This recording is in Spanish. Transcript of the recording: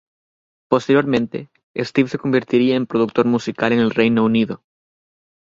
Posteriormente, Steve se convertiría en productor musical en el Reino Unido.